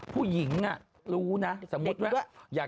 ผู้หญิงรู้นะสมมุติว่า